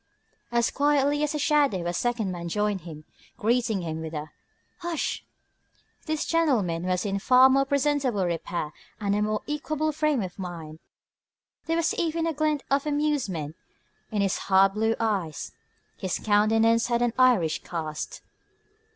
As quietly as a shadow a second man joined him, greeting him with a "Hush!" This gentleman was in far more presentable repair and a more equable frame of mind. There was even a glint of amusement in his hard blue eyes. His countenance had an Irish cast.